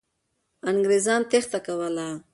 انګریزان تېښته کوله.